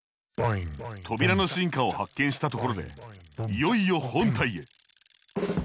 扉の進化を発見したところでいよいよ本体へ。